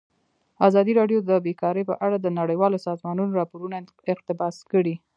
ازادي راډیو د بیکاري په اړه د نړیوالو سازمانونو راپورونه اقتباس کړي.